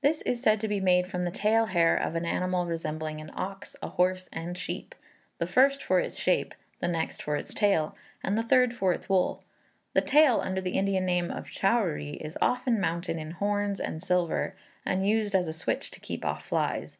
This is said to be made from the tail hair of an animal resembling an ox, a horse, and sheep; the first for its shape, the next for its tail, and the third for its wool. The tail, under the Indian name of Chowrie, is often mounted in horns and silver, and used as a switch to keep off flies.